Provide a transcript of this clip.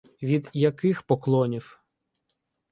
— Від яких поклонів?